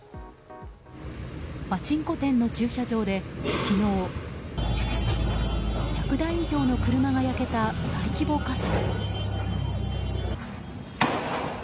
パチンコ店の駐車場で昨日１００台以上の車が焼けた大規模火災。